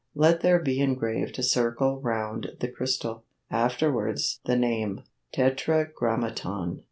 Let there be engraved a circle round the crystal; afterwards the name: Tetragrammaton.